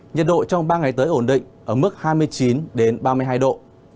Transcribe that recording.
nhiệt độ trong ba ngày tới ổn định ở mức hai mươi chín ba mươi hai độ